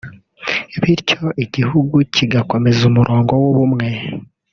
bityo igihugu kigakomeza umurongo w’ubumwe